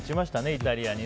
イタリアに。